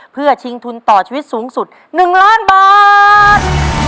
เพื่อชิงทุนต่อชีวิตสูงสุด๑ล้านบาท